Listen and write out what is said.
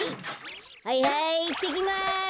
はいはいいってきます。